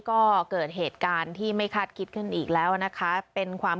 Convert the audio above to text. ก็เกิดเหตุการณ์ที่ไม่คาดคิดขึ้นอีกแล้วนะคะเป็นความ